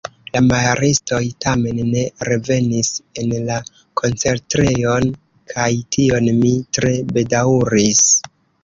La maristoj tamen ne revenis en la koncertejon kaj tion mi tre bedaŭris.